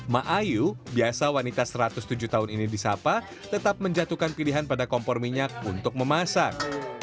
ma ayu biasa wanita satu ratus tujuh tahun ini di sapa tetap menjatuhkan pilihan pada kompor minyak untuk memasak